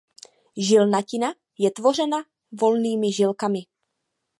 Žilnatina je tvořena volnými žilkami.